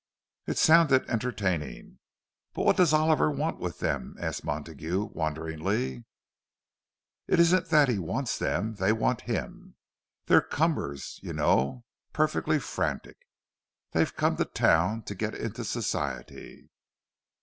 It sounded entertaining. "But what does Oliver want with them?" asked Montague, wonderingly. "It isn't that he wants them—they want him. They're climbers, you know—perfectly frantic. They've come to town to get into Society."